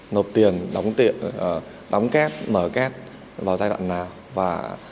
nộp tiền đóng tiện đóng két mở két vào giai đoạn nào và